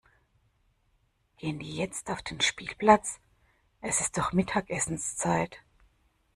Gehen die jetzt auf den Spielplatz? Es ist doch Mittagessenszeit.